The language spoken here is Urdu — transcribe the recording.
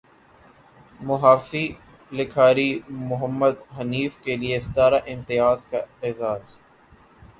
صحافی لکھاری محمد حنیف کے لیے ستارہ امتیاز کا اعزاز